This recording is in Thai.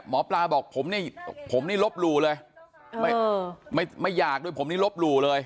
หมอปลาบอกผมเนี่ยลบรูเลยไม่อยากด้วยผมเนี่ยลบรูเลย